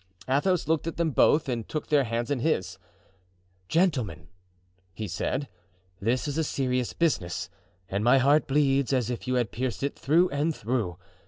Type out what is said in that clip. Athos looked at them both and took their hands in his. "Gentlemen," he said, "this is a serious business and my heart bleeds as if you had pierced it through and through.